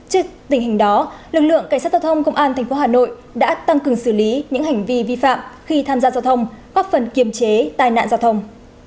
trước tình hình đó lực lượng cảnh sát giao thông công an tp hà nội đã tăng cường xử lý những hành vi vi phạm khi tham gia giao thông góp phần kiềm chế tai nạn giao thông